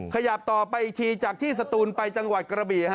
ขยับต่อไปอีกทีจากที่สตูนไปจังหวัดกระบี่